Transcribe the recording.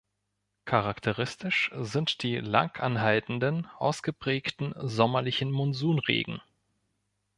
Charakteristisch sind die langanhaltenden ausgeprägten sommerlichen Monsunregen.